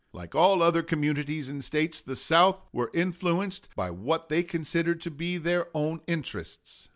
Like all other communities and States, the South were influenced by what they considered to be their own interests.